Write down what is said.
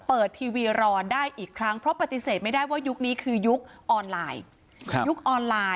เปิดทีวีรอได้อีกครั้งเพราะปฏิเสธไม่ได้ว่ายุคนี้คือยุคออนไลน์